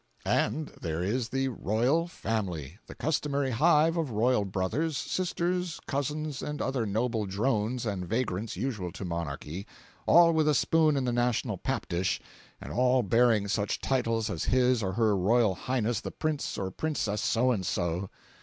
486.jpg (35K) And there is the "royal family"—the customary hive of royal brothers, sisters, cousins and other noble drones and vagrants usual to monarchy,—all with a spoon in the national pap dish, and all bearing such titles as his or her Royal Highness the Prince or Princess So and so.